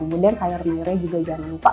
kemudian sayur mayurnya juga jangan lupa